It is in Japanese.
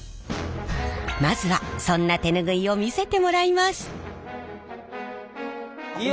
まずはそんな手ぬぐいを見せてもらいます。